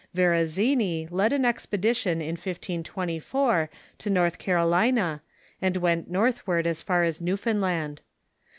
Verazzani led an expedition in 1524 to North Carolina, and went northward as far as New foundland.